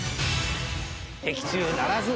的中ならず。